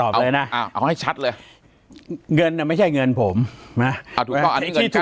ปากกับภาคภูมิ